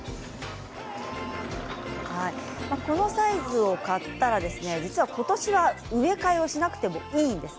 このサイズを買ったら実は今年は植え替えをしなくてもいいんです。